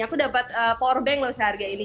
aku dapat power bank loh seharga ini